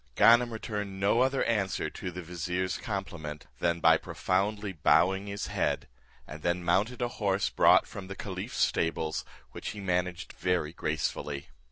Ganem returned no other answer to the vizier's compliment, than by profoundly bowing his head, and then mounted a horse brought from the caliph's stables, which he managed very gracefully.